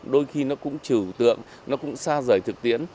đôi khi nó cũng trừu tượng nó cũng xa rời thực tiễn